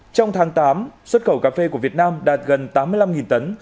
trong tháng tám xuất khẩu cà phê của việt nam đạt gần tám mươi năm tấn